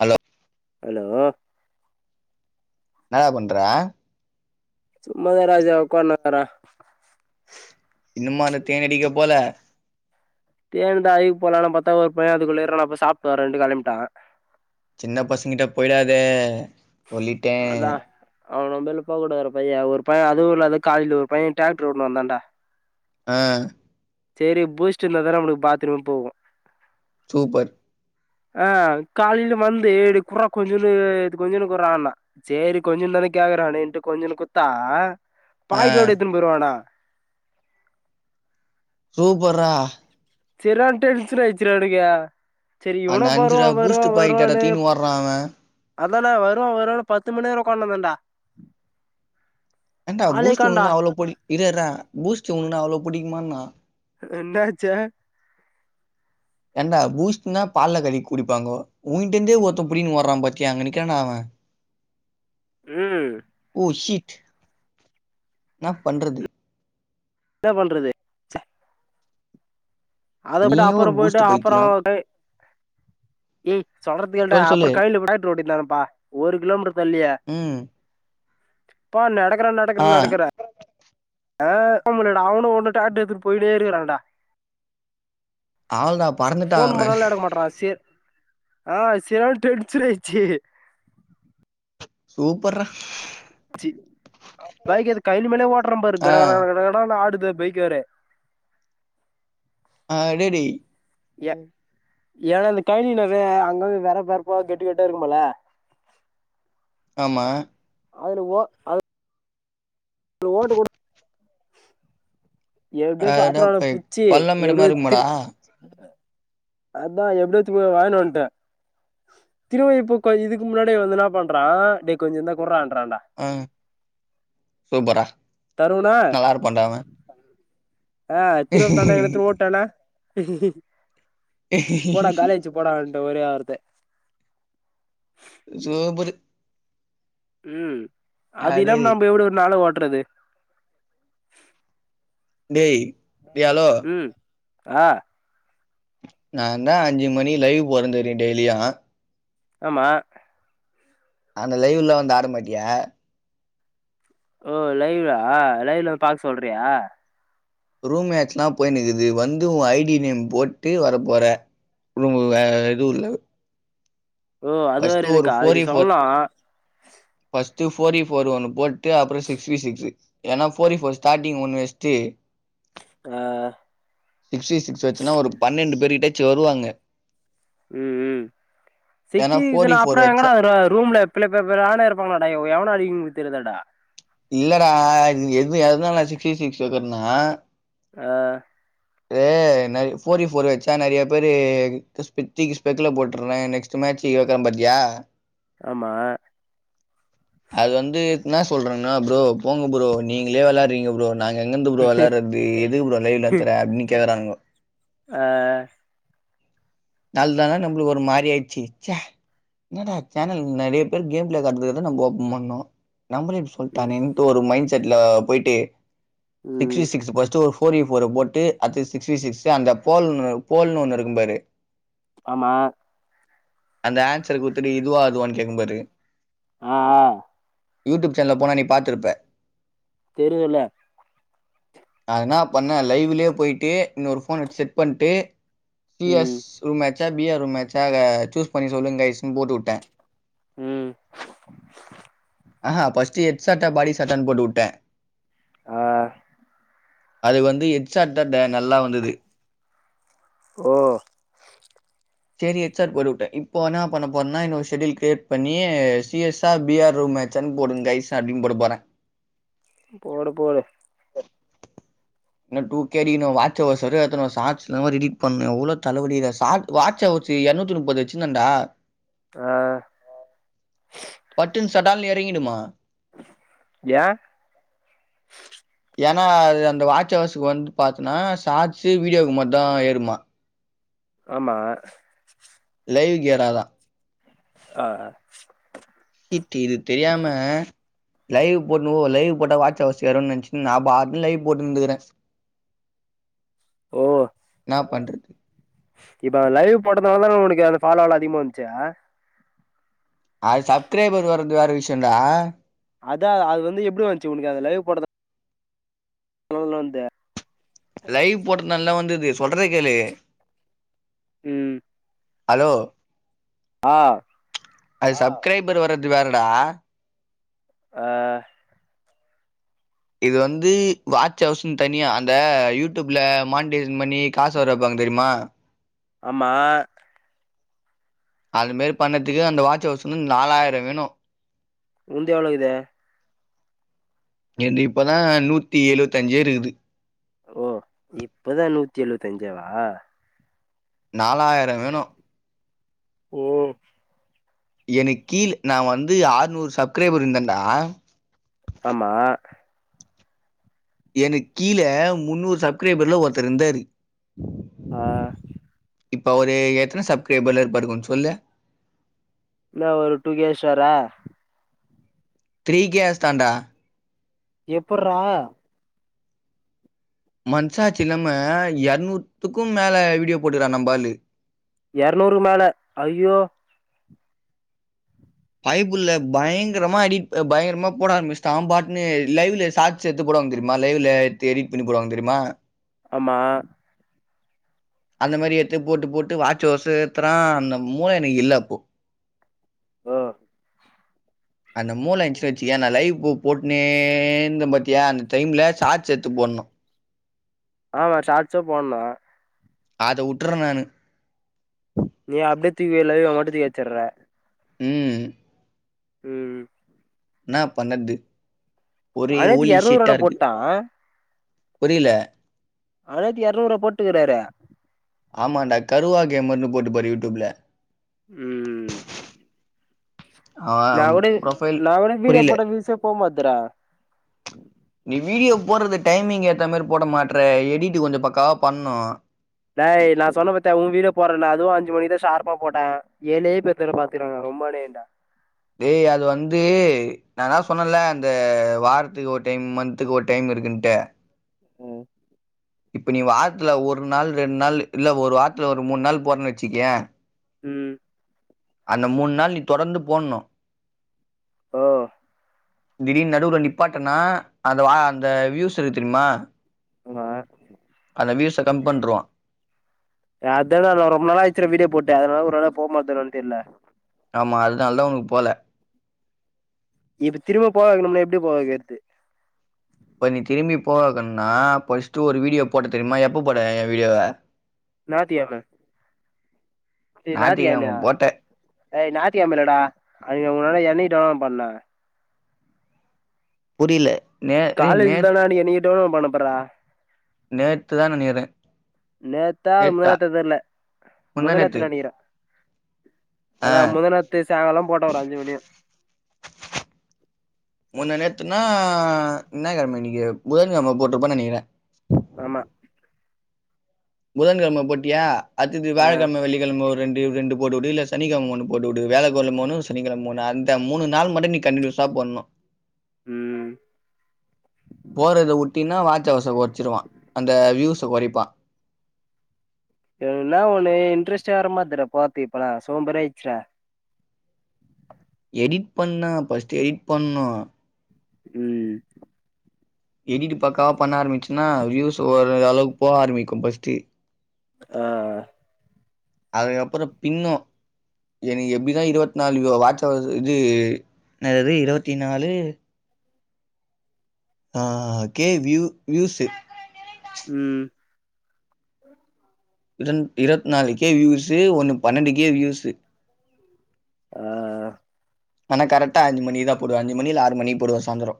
Hello hello எனடா பண்ற ஸும்மத ராஜா உக்கா னுக்குரெ இன்னுமா அந்த தேனடிக்க போல தேன் தா அழுக்கு போலாம்ானா பார்த்தா ஒரு பைய அதுக்குள்ள‌ ந அப்ப சாப்டுவரெட் கெளம்பிட்டாவ சின்ன பசங்கிட்ட போயிடாதே சொல்லிட்டே அவன்ம்பல போகக்கூடதுற பைய ஒரு பைய அதுவு இல்லது காலைல ஒரு பைய டிராக்டர் ஓட்னு வந்தான்டா அஹ் சரி பூஸ்ட் இருந்த தான நமளுக்கு பாத்ரூம் போகு சூப்பர் ஆஹ் காலைல வந்து குறா கொஞ்சன்னு இது கொஞ்சன்னு குர்ரான்னா சரி கொஞ்சன்னு கேக்குறானேட்டு கொஞ்சொனு குத்தா ஆ பாயிட்டோட எத்துன்னு போடுவானா சூபர்ரா சர்ரான டென்ஷன் ஆய்ருச்சுரா எனக்கு சரி அந்த இவனு அஞ்சு வருவா ரூபா பூஸ்ட் வருவா பாக்கெட் வருவானு எடத்தையுனு ஓடுறா அவ அதல்ல வருவா வருவன்னு பத்து மண் நேரொ ஒக்கான்னுரிந்தே டா என்டா பூஸ்ட் ஒண்ணு அவளோ புடி இருர்ரா பூஸ்ட் ன்னா அவுளொ பிடிக்குமான்னா என்னாச்ச என்டா பூஸ்ட்னா பால்ல கலகி குடிப்பாங்கொ உன்ட்ட இருந்தே ஒருத்த புடின்னு ஓடுறா பத்தி அங்க நிக்றானா அவ உம் ஓ ஷிட் ன்னா பண்றது என்ன பண்றது ச அத போட்டு நீயு அப்பற ஒரு போயிட்டு பூஸ்ட் அப்பற பைத்தியோ [unintelligible] சொல்றது கேல்டா சொல்லு அப்பற சொல்லு கையில போட்டு ரோட்ட தானப்பா ஒரு க்லோமீட்டர் தள்ளி ம் ப்பா நடக்ற நடக்ற ஆ நடக்கற ஆஹ் அவமளட அவனுமஒண்ணு டிரேக்டர் எடுத்துட்டு போயிட்டே இருக்குறான்டா அவ்ளோதா பறந்துட்டா ஃபோன் அவ பண்ணாலு எடுக்க மாட்றா [unintelligible] ஆஹ் [unintelligible] சூப்பர்ரா சி பைகு எத்து கையில மேலே ஓட்டுற பாரு ஆ கடடட னு ஆடு பைக்கு வெர ஆஹ் டே டே எ ஏ அ இந்த கைலினரு அங்கந்து வேற பருப்ப கெட்டு கெட்டா இருக்குமல ஆமா அதுல ஒ அ ஓட்டு கொட எப்டியோ அப்ற அடப் அவன பய் புச்சி பள்ளம் மேடுமா எப்டியோ இருக்குமாடா? திரு அதா எப்படியோத்துப் போய் வாங்கினு வன்டே திரும்ம இப்ப கொஞ் இதுக்கு முன்னாடி வந்து ன்னா பண்றா டேய் கொஞ்ச ருந்தா கொடுறான் அஹ் சூப்பரா தருவனா நல்லா இருப்பன்டா அவ ஆஹ் திருவ தந்தா எடுத்து ஓட்டான்னா போடா காலேஜு போடாவ்ன்ட்ட ஒரே வார்த்த ஜுப்பரு உம் அது இல்லா அடேய் டேய் நம்ம எப்டி வு ஒரு நாள ஓட்றது டேய் ஏ அலோ ஆஹ் நான்்தான் அஞ்சு மணி லைவ் போறந்துறன் டெய்லியா ஆமா ஆந்த லைவ்ல வந்து ஆர மாட்டியா ஓ லைவா லைவ்ல வந்து பாக்க சொல்றியா ரூம் மேட்சலாம் போய நக்குது வந்து உ ஐடி நேம் போட்டு வரப்போற ரொம்ப வே எதுவும் இல் ஓ அது ப்ட வேற ஒரு இருக்கா அது நீ ப சொல்லா போர் ஒு போட்டு அப்புறம் சிக்ஸ் சிக்ஸ் ஏா போர் போோர் ஸ்டி் ஒு வேஸ்டு ஆஹ் சிக்ஸ்டி சிக்ஸ் வச்சுன்னா ஒரு பன்னெண்டு பேரு கிட்டாச்சு வருவாங்க உம் உம் ஏன்னா சிகச்சி ஃபோர்டி ஃபோர் அப்பும் வச்ச எங்கடா ரூம்ல இருப்பாங்களாடா எவளோ அடிங்களுக்கு தெரியதாடா இல்லட எது எதுனால சிகஸி சிக் வக்கறனா ஆஹ் போர் வச்சா நிறைய பேருஸ்பெக்ல போட்டுறேன் நெக்ஸ்ட்ி யோக்கரம்ம்பத்தியா ஆமா அது வந்துனான் சொல்றேங்கன்னா ப்ரோ போங்க ப்ரோ நீங்களே விளாடுறீங்க ப்ரோ நாங்க எங்கந்த பரம்ளாறது எதுக்கு பம் லைவ விளாற அப்பின்னு கேறானங்க ஆஹ் நாள் தானா நம்மளுக்கு ஒரு மாரி ஆயிடுச்சு ச்ச ஏன்டா சேனல் நிறைய பேர் கேம் பிளே காட்றதுக்குதான் நம்போ ஓப்பன் பண்ணோம் நம்மளும் இப்படி ம் சொல்ட்டானேன்ட்டு ஒரு மண்ட செட்ல போயிட்டு ம் சிக்ஸ்டிசிக்ஸ் ஃபர்ஸ்ட்டு ஒ போர்வி போர போட்டு அது சிக்ஸிடி சிக்ஸு அந்த போல்னு போல்ன்னு ஒண்ணு இருக்கும் பாரு ஆமா அந்த ஆன்சரு குத்துட்டு இதுவா ஆதுவான்னு கேக்கும் பாரு ஆ ஆ யூடியூப் சேனல போனா நீ பாத்திருப்பே தெரியுல்ல அதனா பண்ணேன் லைவ்லயே போயிட்டு இன்னொரு போன் வெச் செட் பண்ணிட்டு சி எஸ் ம் ரூம் மேச்சா பி ஆர் ரூம் மேச்சாக சூஸ் பண்ணி சொல்லுங்க காய்ஸ்ன்னு போட்டு விட்டேன் உம் ஆஹா பர்ஸ்ட் எட் செட்ட பாடி சட்டான்னு போட்டு வுட்டே ஆஹ் அது வந்து ஹெச்சார்டட்டா நல்லா வந்தது ஓ சரி ஹெட்சாட் போட்டுவுட்டே இப்ப என்னா பண்ணபோறன்னா இன்னோரு ஷெட்யூல் கிரியேட் பண்ணி C S R P R room மேச்சான்னு போடுங்காய்ஸ் அப்டின்னு போட போறே போடு போடு [unintelligible] ன்னு டூ கே அடிக்கணும் வாச்ஹவர்ஸோரு எத்துனு வா ஷார்ட் லா ரெடி பண்ணும் எவ்ளோ தலைவலிகுதா சாட் வாட்ச் ஹவர்ஸு எர்நூத்தி முப்பது வச்சுந்தன்டா ஆஹ் டால்னு எறங்கிடுமா ஏ ஏன்னா அது அந்த வாட்ச் ஹவர்ஸுக்கு வந்து பாத்தன்னா ஷாட்ஸே வீடியோக்கு மார்தா ஏறுமா ஆமா லைவ்க்கேராதா ஆஹ் இத் இது தெரியாம லைவ் போட்ணு லைவ் போட்டா வாட்ச் ஹவர்ஸ் ஏரும்னு நெனச்சுக்குன் நான் பாட்டுக்குன் லைவ் போட்டு இருந்துக்கறேன் ஓ என்னா பண்றது இப்ப லைவ் போட்டதனால தானே உனக்கு அந்த ஃபாலோவல அதிகமா வந்துச்சே அது சப்கிரைபர் வர்றது வேற விஷயம்டா அதா அது வந்து எப்டி வந்துச்சு உனக்கு அது லைவ் போடதா எவ்ளோன்த லைவ் போட்டத்னாலதா வந்தது சொல்றத கேளு உம் ஹலோ ஆஹ் அது சப்கிரைபர் வர்றது வேறடா ஆஹ் இது வந்து வாட்ச் ஹவர்ஸுன்னு தனியா அந்த யூடியூப்ல மானிடேஷன் பண்ணி காசு வர வப்பாங்க தெரிமா ஆமா அதுமாரி பண்ணதுக்கு அந்த வாட்ச்ஹவர்ஸ் இன்னு நாலாயிர வேணு உந்து எவ்ளகித எந்து இப்பதா நூத்தி எழுவத்தி அஞ்சே இருக்குது ஓ இப்பதா நூத்தி எழுவத்தி அஞ்சாவா நாலாயிர வேணு ஓ எனக்கு கீழ் நா வந்து அறுநூறு சப்கிரைபர் இருந்தன்டா ஆமா எனக்கு கீழே மூநூறு சப்கிரைபர்ல ஒருதார் இருந்தாரு ஆ இப்ப அவரு எத்தன சப்கிரைபர்ல இருப்பாரு கொஞ்ச சொல்லு என்ன ஒரு டூ கே ஷூர த்ரீ கே அஷ்டன்டா எப்புடுறா மனசாட்சி இல்லாம இரநூத்துக்கு மேல வீடியோ போட்டுக்கிற நம்பாலு இரநூறு மேல அய்யோ பயபுள்ள பயங்கரமா எடி பயங்கரமா போடரபிஷ்ட அவபட்டுனு லைவ்ல ஷோட்ஸ் போட தெரியுமா லைவ்ல எடுத்து எடிட் பண்ணி போடுவாங்க தெரியுமா ஆமா அந்த மாரி எத்து போட்டு போட்டு வாட்சர்ஸு ஏத்துற அந்த மூல எனக்கு இல்ல அப்போ ஹ் அந்த மூல இருந்துச்சுனு வச்சிக்கோயா நா லைவ் பு போட்டுனே இருந்த பத்திய அந்த டைம்ல ஷோர்ட்ஸ் எடுத்து போனு னு ஆமா ஷோர்ட்ஸு போடனு அத வுட்டுற நானு நீ அப்டியே தூக்கி இல்ல உன் மட்டு தூக்கி வச்சிடுற உம் உம் என்ன பண்ணறது ஒரே அநியாயத்துக்கு ஓலிஷட்டா எரநூறுவாடா இருக்கு போட்டா புரியல அதது இரநூறு போட்டுக்கறாரு ஆமாண்டா கருவா கேம்னு போட்டு பாரு யூடியூப்ல உம் அவன் நான் கூட ப்ரொஃபைல் ந கூட வீடிய புரியல போட்ட விீச போக மாதுறேன் நீ வீடியோ போடுறது டைமிங் ஏத்த மாதிரி போட மாட்டற எடிட்டு கொஞ்சம் பக்காவா பண்ணும் ட் நான் சொன்ன பாரத்தன் உன் வீடே போறல அவும் அஞ்சுணிதான் ஷார்பா போட்டன் ஏலையேத்த பாத்துக்கா ரமடடா ய் அது வந்து நான்ான் சொன்னல அந்த வாரத்துக்கு ஒரு டைம் மந்த்துக்கு ஒரு டைம் இருக்குட்ட உஹம் இப்ப நீ வாரத்துல ஒரு நாள் ரெண்டு நாள் இல்ல ஒரு வாரத்துல ஒரு மூணு நாள் போறன்னு வச்சுக்கேன் உம் அந்த மூணு நாள் நீ தொடர்ந்து போடணும் ஹ திடீர்னு நடு ர நிப்பாட்டனா அந்த அந்த வியூஸ் இரு தெரியுமா ஆமா வீர் ச கம் பண்றவான் அத நான் ரொம்ப நாளள் ஆயச்சுேன் வீடியோ போட்டன் அதனால ஒரு நாாள போக மாட்டேேன்னனு தெரியல ஆமா அதனால தான் உனக்கு போல இப்ப திரும்ப போகக்கணும்னா எப்படி போகக்கிறது இப்ப நீ திரும்பி போகக்குனா பஸ்டு ஒரு வீடியோ போட்ட தெரியுமா எப்ப போட என் வீடியோவை நா தாம ஏ ஞத்தக்கிழமையா ஞாயித்துக்கெழம போட்ட ஏ ஞத்திகிழமல்லடா அய உன்னால என்னக் டோ பண்ண புரில நே டேய் காலேஜ் நே தான நீ என்னிக்கிட்டோ பண்ண பார்ரா நேத்துதா நெனைக்கிறே நேத்தா முந்த நேத்தா தெர்ல முந்தா முந்தநேத்து நேத்து நெனக்கிறே அதா ஆ முந்தனாத்து சாங்காலம் போட்டோ ஒரு அஞ்சு மணியு முந்த நேத் த்துன்னா என்ன கிழம இன்னிக்கு புதன் கிழம போட்ருப்பான் நெனைக்கிறே ஆமா புதன்கிழம போட்டியா அத்தது ஆ வியாழக்கிழம வெள்ளிக்கிழம ஒரு ரெண்டு வ் ரெண்டு போட்டு வுடு இல்ல சனிக்கழம ஒன்னு போட்டு வுடு வேலக்கொன்னு மூனு சனிக்கிழ மூனு அந்த மூனு நாள் மட்டு நீ கண்டினியுஸ் சாப்பண்ணோ ம் போட்றத வுட்டினா தொகோறிப்பா எனக்னா ஒண்ணு இன்ட்ரெஸ்ட்டே வர மாட்துரா போற்த்துக்கு இப்பல்லா சோம்பேறியா ஆயிட்ச்சுடா எடிட் பண்ணா பஸ்ட்டு எடிட் பண்ணூ ம் எடிட்டு பாக்காவா பண்ண ஆரம்பிச்சுன்னா வியூஸ் ஒரு அளவுக்கு போவ ஆரம்பிக்கும் பஸ்ட்டு ஆ அதுக் அப்புறோ பின்னூ எனக்கு எப்டிதா இவத்தி நாலு வியோ வாச் அவர்ஸ் இது நது அது இருவத்தி நாலு ஆ கே வியூ வியூசு ம் இருன் இரவத்தி நாலுக்கே வியூஸு ஒண்ணு பன்னெண்டுக்கே வியூஸு ஆ ஆ ஆனா கரெட்டா அஞ்சு மணிக்கு தா போடுவ அஞ்சு மணி இல்ல ஆறு மணி போடுவா சாந்துரோ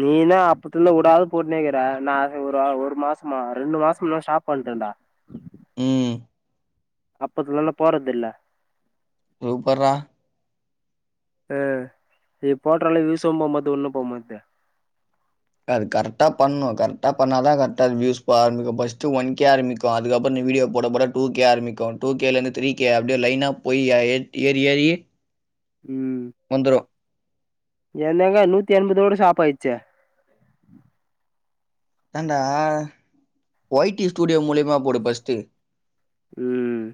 நீனா அப்புத்துல்ந்து உடாத போட்னேக்கிற நா ஒரு அ ஒரு மாசமா ரெண்டு மாசம் தா ஸ்டாப் பண் டன்டா ம் அப்பத்துலந்து போறதுல்ல சூப்பர்ரா அ இ போட்டறலும் வியூசும் போமாட்து ஒண்ணும் போமாட்து அது கரெக்டா பண்ணூ கரெக்டா பண்ணா கரெக்டா அது வியூஸ் போக ஆரம்பிக்கூ பஸ்ட்டு ஒன் கே ஆரம்பிக்கூ அதுக்கப்புன் வீடியோ போட போட டூ கே ஆரம்பிக்கும் டூ கே லருந்து தீரி கே அப்டியே லைனா போய் அ எட் ஏறி ஏறி ம் வந்துரு என் தேங்க நூத்தி என்பதோட ஸ்டாப் ஆயிச்சே தண்டா ஒயிட்டி ஸ்டூடியோ மூலியமா போடு பஸ்ட்டு ம்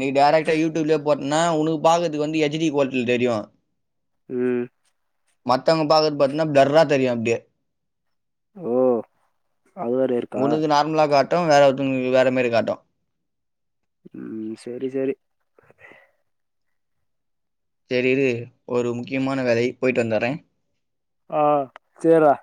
நீ டேரக்டா யூடியூப்லே போட்னா உனுக் பாகத்துக்கு வந்து எச் டி கோல்ட்டில தெரியு ம் மத்தவங்க பாக்குறது பாத்ன்னா ப்ளர்ரா தெரியு அப்டே ஓ அது வேற இருக் உனுக்கு நார்மலா காட்டும் வேற ஒருத்தங்களுக்கு வேற மாரி காட்டூ ம் சரி சரி சரி இரு ஒரு முக்கியமான வேலை போயிட்டு வந்துற்றே ஆ சேர்ரா